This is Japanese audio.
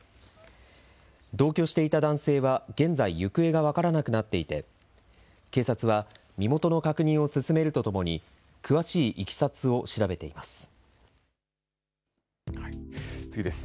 同居していた男性は現在、行方が分からなくなっていて警察は身元の確認を進めるとともにはい、次です。